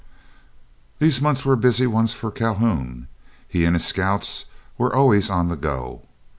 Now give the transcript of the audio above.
These months were busy ones for Calhoun; he and his scouts were always on the go.